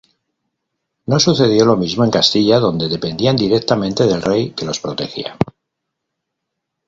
No sucedió lo mismo en Castilla donde dependían directamente del rey, que los protegía.